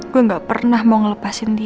gue gak pernah mau ngelepasin dia